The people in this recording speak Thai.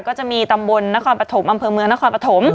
ก็จะมีตำบลนครปฐมอำเภอเมืองนครปฐม